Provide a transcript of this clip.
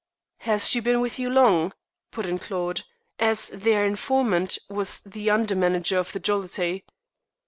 "Has she been with you long?" put in Claude, as their informant was the under manager of the Jollity.